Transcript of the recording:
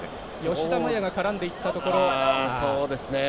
吉田麻也が絡んでいったところ。